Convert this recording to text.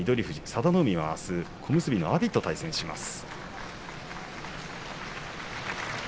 佐田の海はあす小結の阿炎と対戦します。